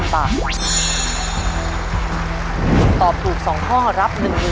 ถ้าตอบถูก๒ข้อรับ๑๑บาท